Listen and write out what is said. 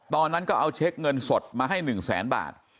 ตอนนั้นก็เอาเช็คเงินสดมาให้๑แสนบาท